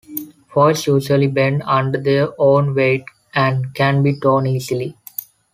Foils usually bend under their own weight and can be torn easily.